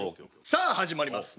さあ始まります。